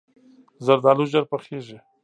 زردالو ژر پخیږي.